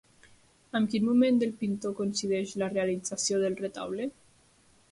Amb quin moment del pintor coincideix la realització del retaule?